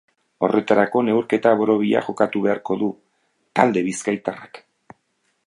Horretarako, neurketa borobila jokatu beharko du talde bizkaitarrak.